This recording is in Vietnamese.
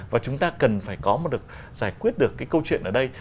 và chúng ta cần phải giải quyết được cái câu chuyện ở đây